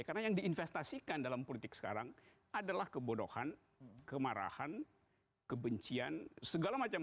karena yang diinvestasikan dalam politik sekarang adalah kebodohan kemarahan kebencian segala macam